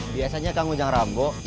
biasanya kangunjang rambo